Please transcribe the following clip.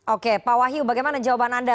oke pak wahyu bagaimana jawaban anda